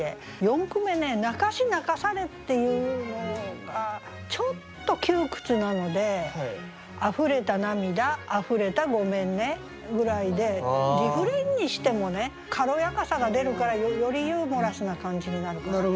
四句目ね「泣かし泣かされ」っていうのがちょっと窮屈なので「溢れた涙溢れた『ごめんね』」ぐらいでリフレインにしても軽やかさが出るからよりユーモラスな感じになるかなと思ったんですね。